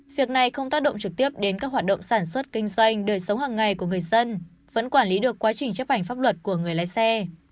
việc này không tác động trực tiếp đến các hoạt động sản xuất kinh doanh đời sống hàng ngày của người dân vẫn quản lý được quá trình chấp hành pháp luật của người lái xe